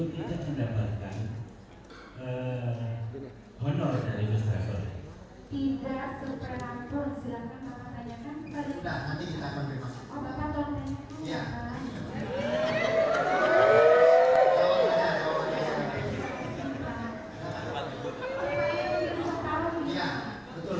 maka itu dengan saya itu menurut saya adalah kebiasaan dari perusahaan itu